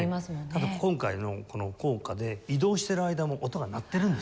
ただ今回のこの効果で移動してる間も音が鳴ってるんですよ。